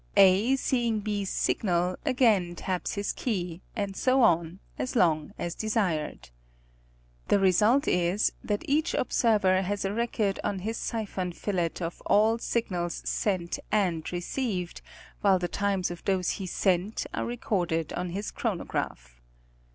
A, seeing B's signal again taps his key, and so on, as long as desired. The result is that each observer has a record on his siphon fillet of all signals sent and received, while the times of those he sent are recorded on 24. National Geographic Magazme. his chronograph.